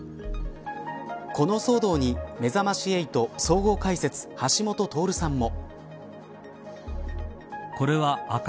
この騒動に、めざまし８総合解説橋下徹さんも。